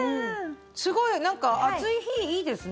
すごい、なんか暑い日、いいですね。